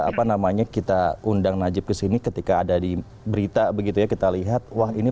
apa namanya kita undang najib kesini ketika ada di berita begitu ya kita lihat wah ini